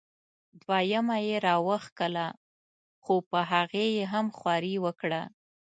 دویمه یې را وښکله خو په هغې یې هم خواري وکړه.